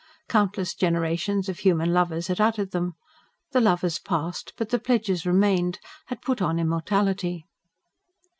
Countless generations of human lovers had uttered them. The lovers passed, but the pledges remained: had put on immortality.